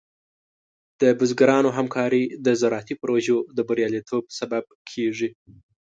د بزګرانو همکاري د زراعتي پروژو د بریالیتوب سبب کېږي.